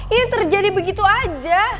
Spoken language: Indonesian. ini terjadi begitu aja